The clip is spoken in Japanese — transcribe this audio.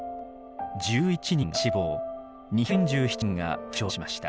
１１人が死亡２４７人が負傷しました。